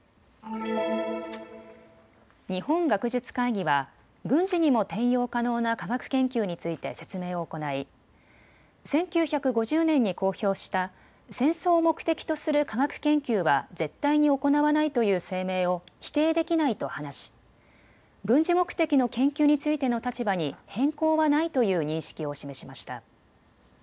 日本学術会議は軍事にも転用可能な科学研究について説明を行い１９５０年に公表した戦争を目的とする科学研究は絶対に行わないという声明を否定できないと話し軍事目的の研究についての立場に変更はないという認識を示しました。